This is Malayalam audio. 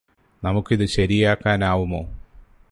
നമുക്കിത് ശരിയാക്കാനാവുമോ